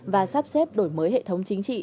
và sắp xếp đổi mới hệ thống chính trị